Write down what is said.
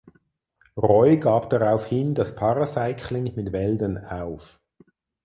Roy gab daraufhin das Paracycling mit Weldon auf.